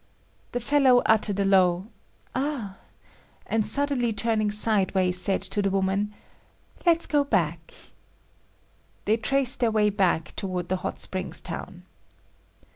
The fellow uttered a low "ah," and suddenly turning sideway, said to the woman "Let's go back." They traced their way back toward the hot springs town.